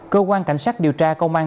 cơ quan cảnh sát điều tra công an